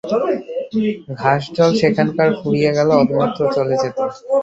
ঘাস-জল সেখানকার ফুরিয়ে গেলে অন্যত্র চলে যেত।